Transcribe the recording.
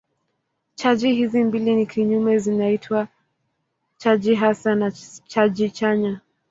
Chaji hizi mbili ni kinyume zinaitwa chaji hasi na chaji chanya.